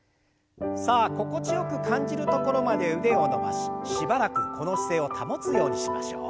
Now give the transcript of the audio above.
さあ心地よく感じるところまで腕を伸ばししばらくこの姿勢を保つようにしましょう。